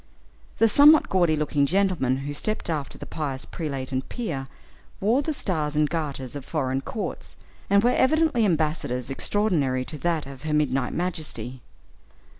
The somewhat gaudy looking gentlemen who stepped after the pious prelate and peer wore the stars and garters of foreign courts, and were evidently embassadors extraordinary to that of her midnight majesty.